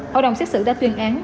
hội đồng xét xử đã tuyên án